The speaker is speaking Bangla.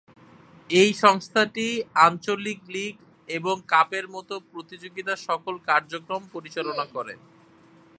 এই সংস্থাটি আঞ্চলিক লীগ এবং কাপের মতো প্রতিযোগিতার সকল কার্যক্রম পরিচালনা করে।